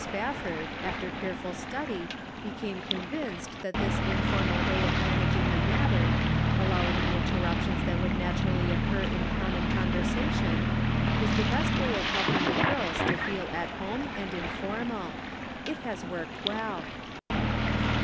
Spafford, after careful study became convinced that this informal way of managing the matter, allowing the interruptions that would naturally occur in common conver sation, was the best way of helping the girls to feel at home and informal. It has worked well."